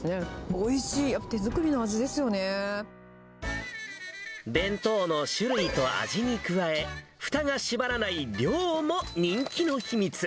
おいしい、やっぱり手作りの味で弁当の種類と味に加え、ふたが閉まらない量も人気の秘密。